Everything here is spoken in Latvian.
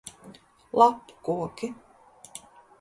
Lapu koki.